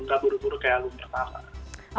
gak buru buru kayak alum pertama